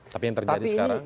tapi yang terjadi sekarang